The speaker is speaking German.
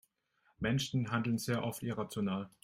Menschen handeln sehr oft irrational.